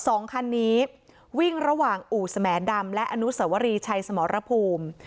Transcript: สองคันนี้วิ่งระหว่างอู่สแหมดำและอนุสวรีชัยสมรภูมิ